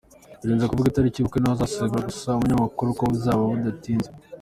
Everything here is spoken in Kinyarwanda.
Yirinze kuvuga itariki y’ubukwe n’aho buzabera, gusa yahamirije umunyamakuru ko ‘buzaba bidatinze’.